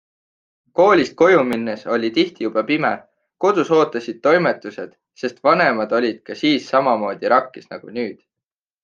Koolist koju minnes oli tihti juba pime, kodus ootasid toimetused, sest vanemad olid ka siis samamoodi rakkes nagu nüüd.